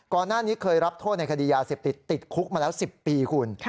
ก่อนหน้านี้เคยรับโทษในคดียาเสพติดติดคุกมาแล้ว๑๐ปีคุณ